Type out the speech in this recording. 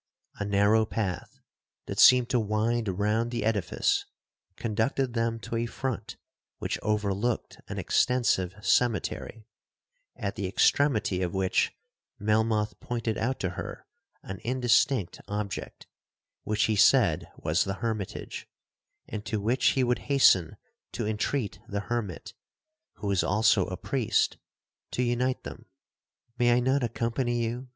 A narrow path, that seemed to wind round the edifice, conducted them to a front which overlooked an extensive cemetery, at the extremity of which Melmoth pointed out to her an indistinct object, which he said was the hermitage, and to which he would hasten to intreat the hermit, who was also a priest, to unite them. 'May I not accompany you?'